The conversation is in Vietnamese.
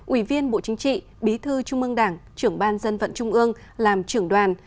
ủy viên bộ chính trị bí thư trung ương đảng trưởng ban dân vận trung ương làm trưởng đoàn